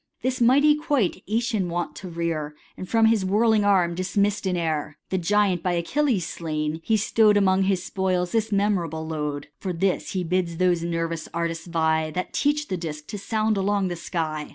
This mighty quoit JEtion wont to rear, And from his whirling arm dismiss'd in air ; The giant hy Achilles slain, he stow'd Among his spoils this memorable load. For this he bids those nervous artists vie That teach the disk to sound along the sky.